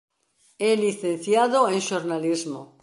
É licenciado en Xornalismo.